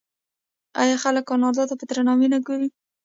آیا خلک کاناډا ته په درناوي نه ګوري؟